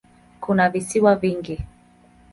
Kuna visiwa vingi.